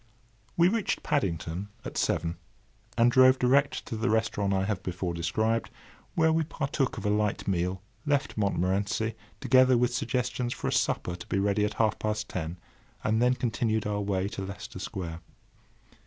We reached Paddington at seven, and drove direct to the restaurant I have before described, where we partook of a light meal, left Montmorency, together with suggestions for a supper to be ready at half past ten, and then continued our way to Leicester Square.